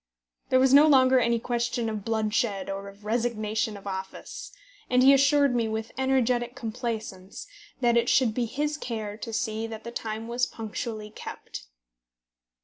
There was no longer any question of bloodshed or of resignation of office, and he assured me, with energetic complaisance, that it should be his care to see that the time was punctually kept.